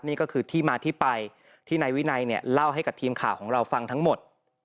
นี่ก็คือที่มาที่ไปที่นายวินัยเนี่ยเล่าให้กับทีมข่าวของเราฟังทั้งหมด